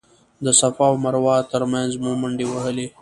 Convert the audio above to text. د صفا او مروه تر مینځ مو منډې ووهلې.